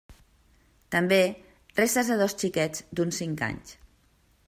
També restes de dos xiquets d'uns cinc anys.